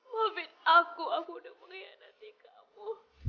maafin aku aku udah mengkhianati kamu